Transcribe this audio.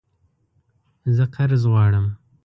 زه قرض غواړم